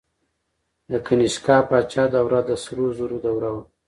د کنیشکا پاچا دوره د سرو زرو دوره وه